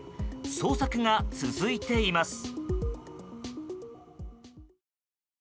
捜索が続いています。